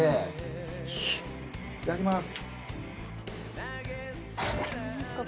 いただきます。